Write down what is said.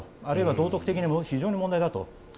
あるいは道徳的に非常に問題だと。